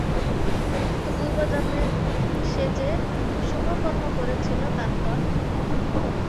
কিন্তু পূর্ব জন্মে সে যে শুভকর্ম করেছিল, তার ফল ফলল।